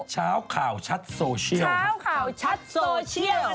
ชาวเช่าชัดโซเชียลค่ะถูกต้องข่าวเช่าชัดโซเชียล